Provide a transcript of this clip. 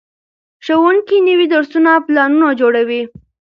ښوونکي نوي درسي پلانونه جوړوي.